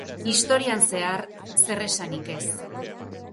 Historian zehar zer esanik ez.